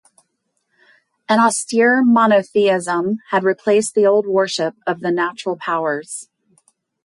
An austere monotheism had replaced the old worship of the natural powers.